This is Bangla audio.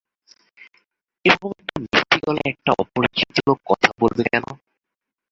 এ-রকম মিষ্টি গলায় একটা অপরিচিত লোক কথা বলবে কেন?